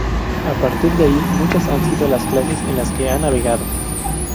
A partir de ahí, muchas han sido las clases en las que ha navegado.